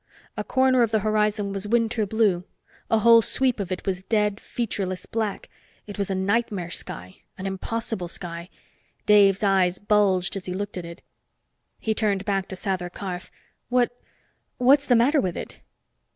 A corner of the horizon was winter blue; a whole sweep of it was dead, featureless black. It was a nightmare sky, an impossible sky. Dave's eyes bulged as he looked at it. He turned back to Sather Karf. "What what's the matter with it?"